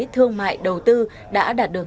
thương mại đầu tư đã đạt được